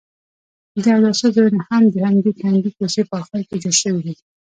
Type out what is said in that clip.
د اوداسه ځایونه هم د همدې تنګې کوڅې په اخر کې جوړ شوي دي.